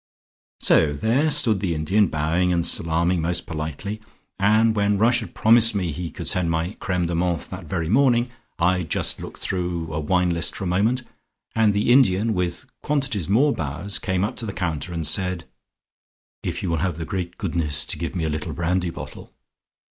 "So there stood the Indian, bowing and salaaming most politely and when Rush had promised me he would send my Creme de menthe that very morning, I just looked through a wine list for a moment, and the Indian with quantities more bows came up to the counter and said, 'If you will have the great goodness to give me a little brandy bottle.'